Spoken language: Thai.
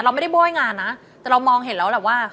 ไม่ได้โบ้ยงานนะแต่เรามองเห็นแล้วแหละว่า